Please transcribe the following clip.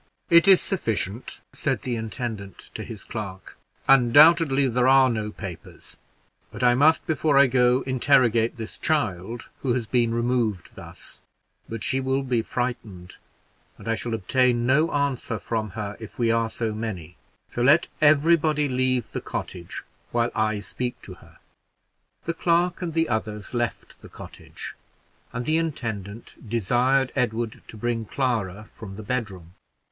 "It is sufficient," said the intendant to his clerk; "undoubtedly there are no papers; but I must, before I go, interrogate this child who has been removed thus; but she will be frightened, and I shall obtain no answer from her, if we are so many, so let every body leave the cottage while I speak to her." The clerk and the others left the cottage, and the intendant desired Edward to bring Clara from the bedroom.